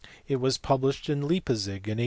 It was published at Leipzig in 1833.